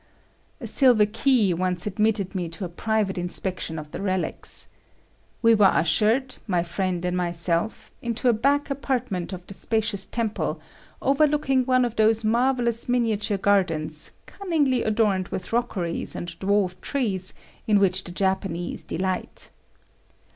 A silver key once admitted me to a private inspection of the relics. We were ushered, my friend and myself, into a back apartment of the spacious temple, overlooking one of those marvellous miniature gardens, cunningly adorned with rockeries and dwarf trees, in which the Japanese delight.